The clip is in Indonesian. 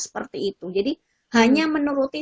seperti itu jadi hanya menuruti